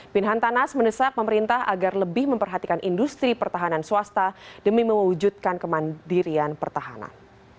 pinhantanas menesak pemerintah agar lebih memperhatikan industri pertahanan swasta demi mewujudkan kemandirian pertahanan